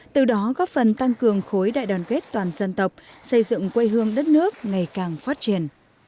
từ đó góp phần tăng cường khối đại đoàn kết toàn dân tộc xây dựng quê hương đất nước ngày càng phát triển